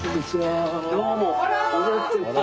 どうも。